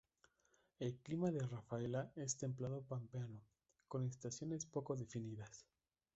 El clima de Rafaela es templado pampeano, con estaciones poco definidas.